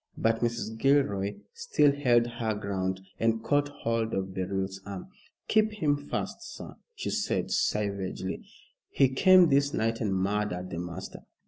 But Mrs. Gilroy still held her ground and caught hold of Beryl's arm. "Keep him fast, sir," she said savagely. "He came this night and murdered the master."